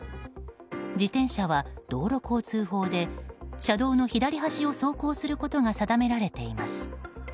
自転車は道路交通法で車道の左端を走行することが定められています。